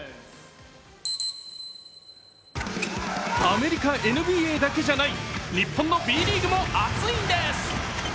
アメリカＮＢＡだけじゃない、日本のＢリーグも熱いんです！